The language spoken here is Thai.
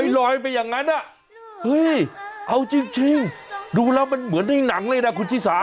ลอยไปอย่างนั้นเอาจริงดูแล้วมันเหมือนในหนังเลยนะคุณชิสา